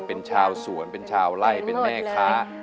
เป็นชาวสวนเป็นชาวไล่เป็นแม่ค้า